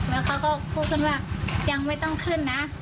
แล้วเขาก็พูดขึ้นว่ายังไม่ต้องขึ้นนะ